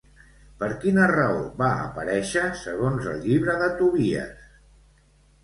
Per quina raó va aparèixer segons el Llibre de Tobies?